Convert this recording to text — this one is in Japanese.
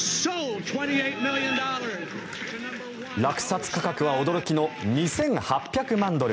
落札価格は驚きの２８００万ドル。